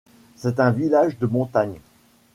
C'est un village de montagne.